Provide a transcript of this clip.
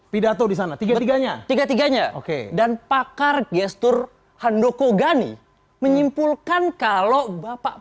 pidato di sana tiga tiganya tiga tiganya oke dan pakar gestur handoko gani menyimpulkan kalau bapak